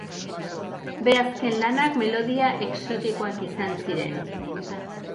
Bere azken lanak melodia exotikoak izan ziren.